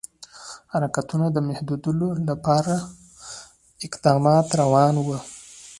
حرکتونو د محدودولو لپاره اقدامات روان وه.